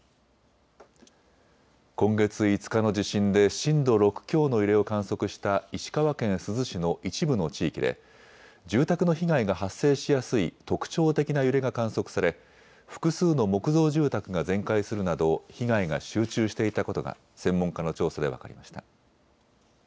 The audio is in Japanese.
今月５日の地震で震度６強の揺れを観測した石川県珠洲市の一部の地域で住宅の被害が発生しやすい特徴的な揺れが観測され複数の木造住宅が全壊するなど被害が集中していたことが専門家の調査で分かりました。